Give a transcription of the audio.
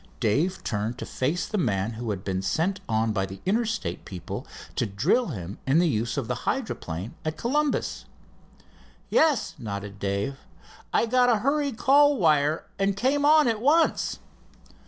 Dave turned to face the man who had been sent on by the Interstate people to drill him in the use of the hydroplane at Columbus. "Yes," nodded Dave, "I got a hurry call wire, and came on at once."